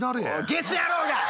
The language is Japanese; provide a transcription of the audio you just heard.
ゲス野郎が！